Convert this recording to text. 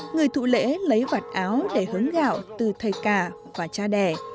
người thụ lễ lấy vặt áo để hứng gạo từ thầy cả và cha đẻ